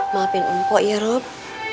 butuhnya geworden hugh